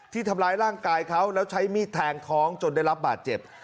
ทำร้ายร่างกายเขาแล้วใช้มีดแทงท้องจนได้รับบาดเจ็บ